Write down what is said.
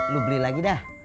lu beli lagi dah